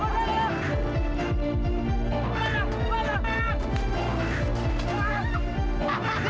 hahaha ha venak